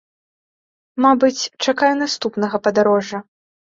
Мабыць, чакаю наступнага падарожжа.